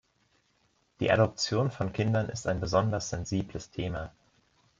Die Adoption von Kindern ist ein besonders sensibles Thema.